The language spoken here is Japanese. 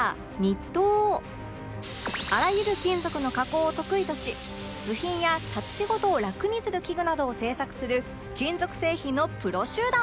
あらゆる金属の加工を得意とし部品や立ち仕事をラクにする器具などを製作する金属製品のプロ集団